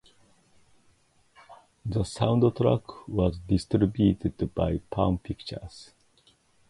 The soundtrack was distributed by Palm Pictures.